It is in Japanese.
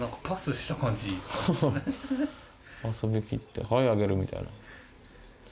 フフフ遊びきって「はいあげる」みたいな。